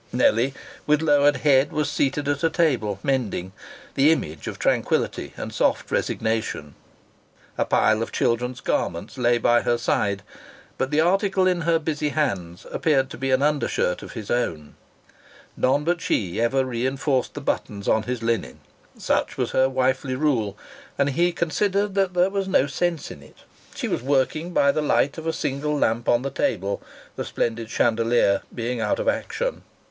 Nellie, with lowered head, was seated at a table, mending, the image of tranquillity and soft resignation. A pile of children's garments lay by her side, but the article in her busy hands appeared to be an under shirt of his own. None but she ever reinforced the buttons on his linen. Such was her wifely rule, and he considered that there was no sense in it. She was working by the light of a single lamp on the table, the splendid chandelier being out of action.